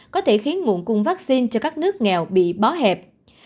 có thể khiến nguồn cung vaccine cho các nước nghèo bị bó hẹp